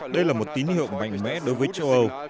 đây là một tín hiệu mạnh mẽ đối với châu âu